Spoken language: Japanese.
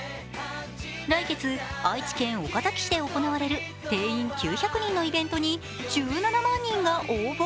来月、愛知県岡崎市で行われる定員９００人のイベントに１７万人が応募。